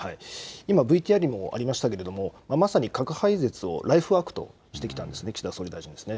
今、ＶＴＲにもありましたけれども、まさに核廃絶をライフワークとしてきたんですね、岸田総理大臣は。